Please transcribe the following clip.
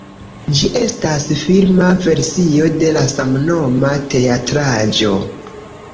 Ĝi estas filma versio de la samnoma teatraĵo.